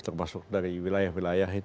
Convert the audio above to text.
termasuk dari wilayah wilayah